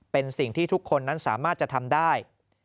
เป็นสิ่งที่ทุกคนนั้นสามารถจะทำได้